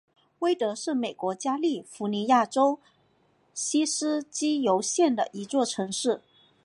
威德是美国加利福尼亚州锡斯基尤县的一座城市。